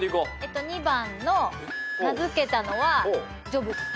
２番の名付けたのはジョブズ。